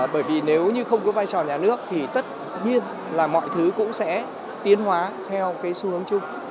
bởi vì nếu như không có vai trò nhà nước thì tất nhiên là mọi thứ cũng sẽ tiến hóa theo cái xu hướng chung